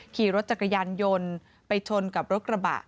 ขี่รถจักรยานยนต์ไปชนกับรถกระบะ